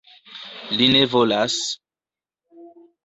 Li ne volas...